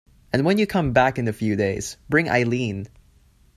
And when you come back in a few days, bring Eileen.